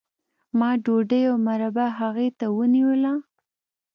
ما ډوډۍ او مربا هغې ته ونیوله